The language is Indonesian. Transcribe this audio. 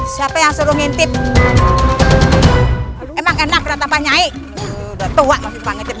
siapa yang suruh ngintip emang enak kata kata nyai tua masih banget aja